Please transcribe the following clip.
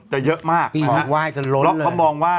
จะเยอะมากเพราะเขามองว่า